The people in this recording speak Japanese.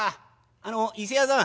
あのいせ屋さん？」。